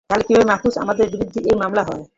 তাহলে কীভাবে মাহ্ফুজ আনামের বিরুদ্ধে এই মামলা হয়?